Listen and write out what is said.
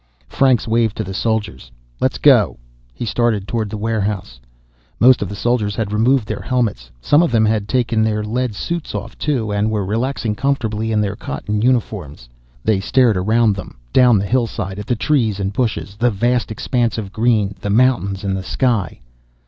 Franks waved to the soldiers. "Let's go." He started toward the warehouse. Most of the soldiers had removed their helmets. Some of them had taken their lead suits off, too, and were relaxing comfortably in their cotton uniforms. They stared around them, down the hillside at the trees and bushes, the vast expanse of green, the mountains and the sky.